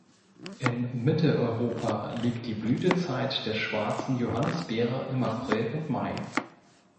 In Mitteleuropa liegt die Blütezeit der Schwarzen Johannisbeere im April und Mai.